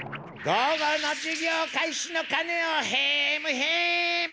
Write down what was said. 午後の授業開始の鐘をヘムヘム！